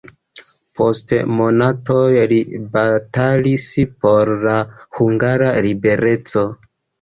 Post monatoj li batalis por la hungara libereco.